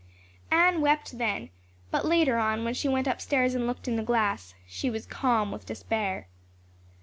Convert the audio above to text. Anne wept then, but later on, when she went upstairs and looked in the glass, she was calm with despair.